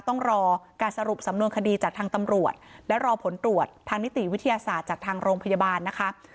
ต้องรอการสรุปสำนวนคดีจากทางตำรวจและรอผลตรวจทางนิติวิทยาศาสตร์จากทางโรงพยาบาลนะคะ